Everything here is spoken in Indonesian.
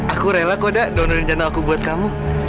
aku rela kodak donorin jantung aku buat kamu